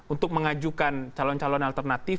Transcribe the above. untuk mengajukan calon calon alternatif